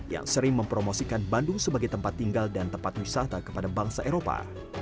yang sering mempromosikan bandung sebagai tempat tinggal dan tempat wisata kepada bangsa eropa